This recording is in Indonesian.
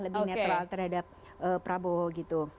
lebih netral terhadap prabowo gitu